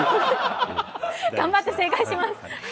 頑張って正解します。